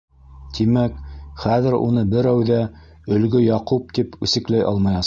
Тимәк, хәҙер уны берәү ҙә «Өлгө Яҡуп» тип үсекләй алмаясаҡ.